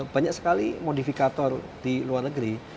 banyak sekali modifikator di luar negeri